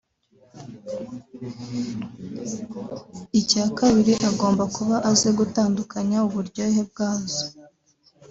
icya kabiri agomba kuba azi gutandukanya uburyohe bwazo